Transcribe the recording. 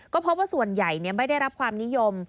ก็พบว่าส่วนใหญ่ไม่ได้รับความนิยม